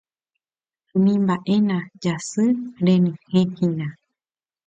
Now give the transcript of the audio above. Animba'éna jasy renyhẽ hína.